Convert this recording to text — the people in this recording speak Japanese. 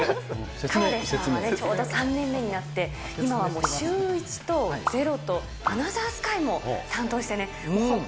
河出さんはちょうど３年目になって、今はもうシューイチと、ｚｅｒｏとアナザースカイも担当してね、本当